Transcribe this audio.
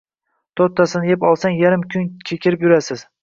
To‘rttasini yeb olsangiz, yarim kun kekirib yurasiz.